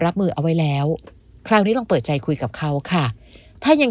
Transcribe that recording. รับมือเอาไว้แล้วคราวนี้ลองเปิดใจคุยกับเขาค่ะถ้ายัง